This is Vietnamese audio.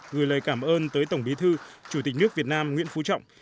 gửi lời cảm ơn tới tổng bí thư chủ tịch nước việt nam nguyễn phú trọng